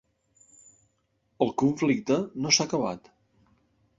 El conflicte no s’ha acabat.